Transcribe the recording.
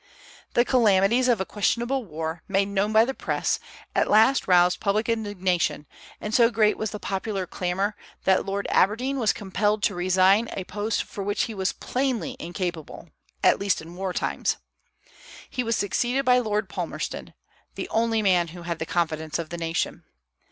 The calamities of a questionable war, made known by the Press, at last roused public indignation, and so great was the popular clamor that Lord Aberdeen was compelled to resign a post for which he was plainly incapable, at least in war times. He was succeeded by Lord Palmerston, the only man who had the confidence of the nation.